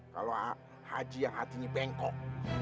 kalau haji yang hatinya bengkok